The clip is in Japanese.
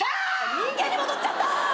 人間に戻っちゃった！